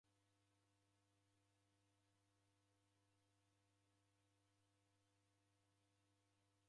Chovu eka na mwana umweri tu.